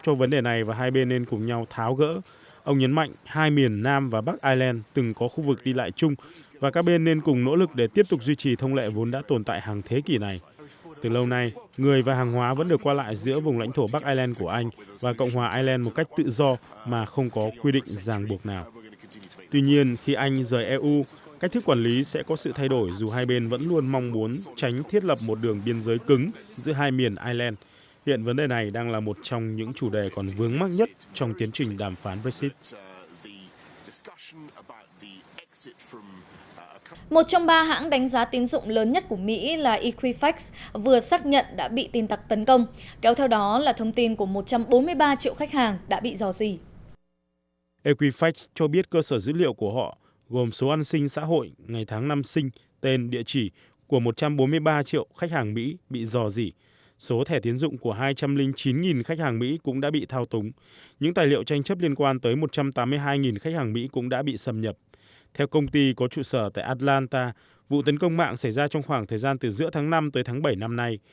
theo công ty có trụ sở tại atlanta vụ tấn công mạng xảy ra trong khoảng thời gian từ giữa tháng năm tới tháng bảy năm nay